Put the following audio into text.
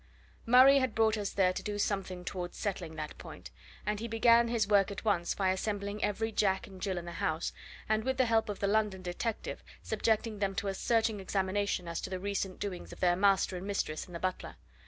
Murray had brought us there to do something towards settling that point, and he began his work at once by assembling every Jack and Jill in the house and, with the help of the London detective, subjecting them to a searching examination as to the recent doings of their master and mistress and the butler.